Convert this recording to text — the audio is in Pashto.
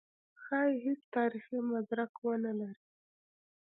ښايي هېڅ تاریخي مدرک ونه لري.